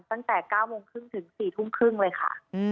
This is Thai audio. ตั้งแต่๙โมงครึ่งถึง๔ทุ่มครึ่งเลยค่ะ